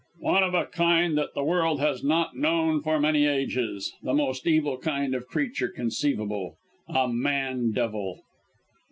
"One of a kind that the world has not known for many ages! The most evil kind of creature conceivable a man devil!"